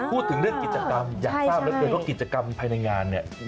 พูดถึงเรื่องกิจกรรมอยากทราบเหลือเกินว่ากิจกรรมภายในงานเนี่ย